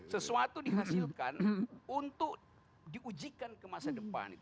sesuatu dihasilkan untuk diujikan ke masa depan